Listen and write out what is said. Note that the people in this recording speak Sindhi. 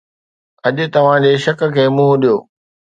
اڄ توهان جي شڪ کي منهن ڏيو